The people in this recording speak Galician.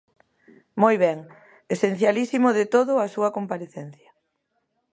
Moi ben, esencialísimo de todo a súa comparecencia.